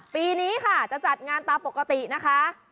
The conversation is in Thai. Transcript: ปีนี้ค่ะจะจัดงานตามปกตินะคะ